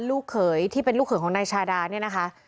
ลูกเขยที่เป็นลูกเขยของนายชาดาเนี่ยนะคะ